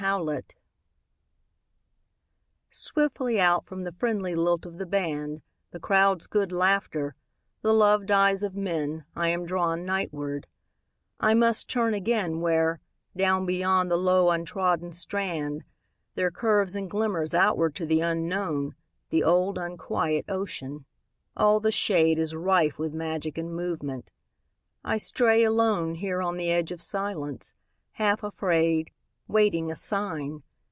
Seaside Swiftly out from the friendly lilt of the band, The crowd's good laughter, the loved eyes of men, I am drawn nightward; I must turn again Where, down beyond the low untrodden strand, There curves and glimmers outward to the unknown The old unquiet ocean. All the shade Is rife with magic and movement. I stray alone Here on the edge of silence, half afraid, Waiting a sign.